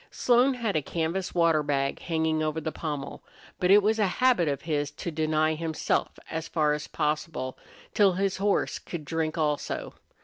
Slone had a canvas water bag hanging over the pommel, but it was a habit of his to deny himself, as far as possible, till his horse could drink also.